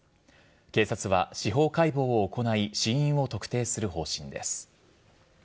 警察は司法解剖を行い死因を特定する方針です。